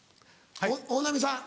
大波さん。